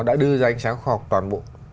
đã đưa danh sáng khoa học toàn bộ